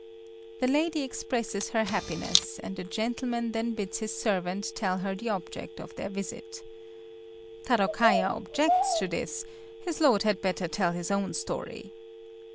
The lady expresses her happiness, and the gentleman then bids his servant tell her the object of their visit. Tarôkaja objects to this; his lord had better tell his own story.